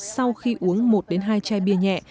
sau khi uống một đến hai chai bia nhẹ